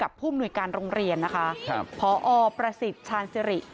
กับภูมิหน่วยการโรงเรียนนะคะพอประสิทธิ์ชาญสิริ